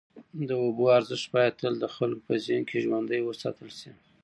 د اوبو ارزښت باید تل د خلکو په ذهن کي ژوندی وساتل سي.